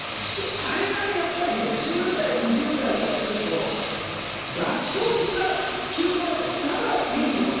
あれがね、やっぱりね、１０代、２０代からすると、学校に行かない、休校だと、だから家にいろと。